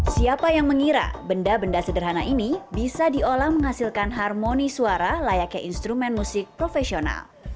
siapa yang mengira benda benda sederhana ini bisa diolah menghasilkan harmoni suara layaknya instrumen musik profesional